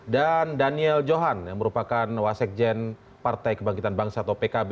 daniel johan yang merupakan wasekjen partai kebangkitan bangsa atau pkb